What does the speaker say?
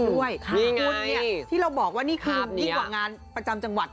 คุณเนี่ยที่เราบอกว่านี่คือยิ่งกว่างานประจำจังหวัด